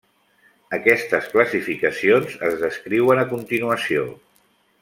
Aquestes classificacions es descriuen a continuació.